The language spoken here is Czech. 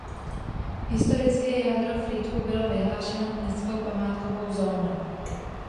Historické jádro Frýdku bylo vyhlášeno městskou památkovou zónou.